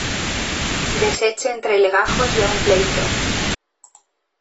deshecho entre legajos de un pleito.